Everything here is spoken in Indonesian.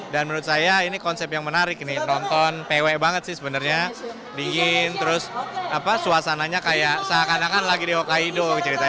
dan menurut saya ini konsep yang menarik nih nonton pewe banget sih sebenernya dingin terus suasananya kayak seakan akan lagi di hokkaido